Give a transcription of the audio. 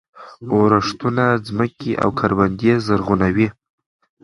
ورښتونه ځمکې او کروندې زرغونوي.